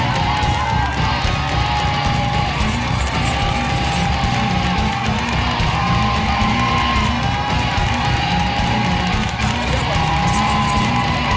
ขอบคุณครับ